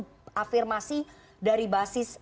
kalau saya lihat itu